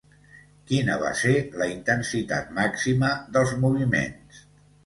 Quina va ser la intensitat màxima dels moviments?